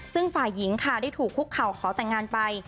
ซึ่งฝ่ายหญิงค่ะได้ถูกคุกเข่าขอแต่งงานไป